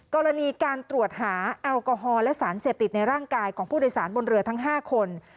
กรณีการตรวจหาแอลกอฮอล์และสารเสพติดในร่างกายของผู้โดยสารบนเรือทั้ง๕คน